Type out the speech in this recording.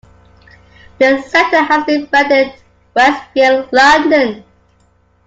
This centre has been branded "Westfield London".